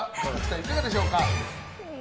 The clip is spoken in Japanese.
いかがでしょうか。